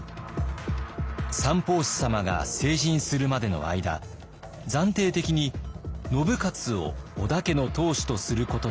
「三法師様が成人するまでの間暫定的に信雄を織田家の当主とすることになった」。